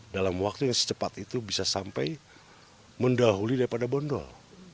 dalam waktu yang secepat itu bisa sampai mendahului daripada bondol